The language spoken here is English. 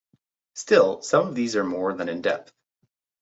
Still, some of these are more than in depth.